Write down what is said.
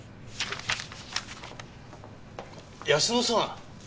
泰乃さん！